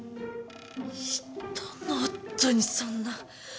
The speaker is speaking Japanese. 人の夫にそんな。